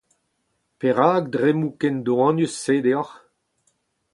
perak dremmoù ken doanius-se deoc'h ?